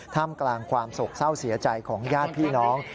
ท่ามกลางความโศกเศร้าเสียใจของญาติพี่น้อง